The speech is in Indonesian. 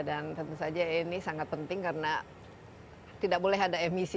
dan tentu saja ini sangat penting karena tidak boleh ada emisi